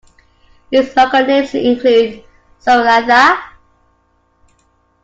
Its local names include "somlatha".